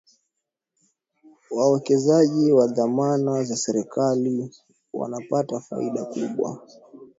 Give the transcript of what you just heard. wawekezaji wa dhamana za serikali wanapata faida kubwa